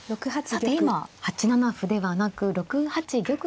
さて今８七歩ではなく６八玉と。